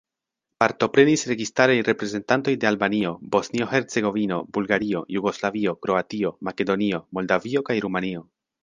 Partoprenis registaraj reprezentantoj de Albanio, Bosnio-Hercegovino, Bulgario, Jugoslavio, Kroatio, Makedonio, Moldavio kaj Rumanio.